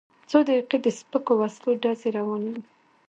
څو دقیقې د سپکو وسلو ډزې روانې وې.